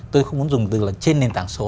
tôi không muốn dùng từ trên nền tảng số